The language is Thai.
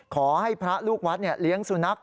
ขอให้พระลูกวัดเลี้ยงสุนัข